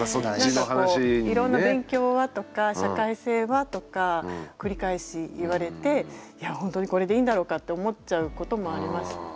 「いろんな勉強は？」とか「社会性は？」とか繰り返し言われて「いやほんとにこれでいいんだろうか」って思っちゃうこともありましたね。